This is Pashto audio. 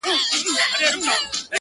دا سدی پرېږده دا سړی له سړيتوبه وځي-